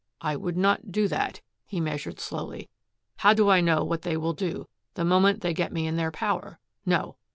"I would not do that," he measured slowly. "How do I know what they will do, the moment they get me in their power? No.